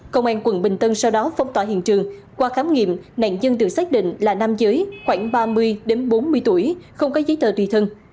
công an quận bình tân sau đó phong tỏa hiện trường qua khám nghiệm nạn nhân được xác định là nam giới khoảng ba mươi bốn mươi tuổi không có giấy tờ tùy thân